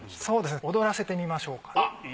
そうですね踊らせてみましょうか。